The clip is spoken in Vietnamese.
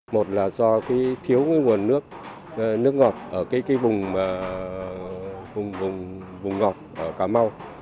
một là do thiếu nguồn nước ngọt ở vùng ngọt ở cà mau